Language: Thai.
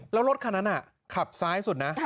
แล้วรถคันนั้นขับซ้ายสุดนะ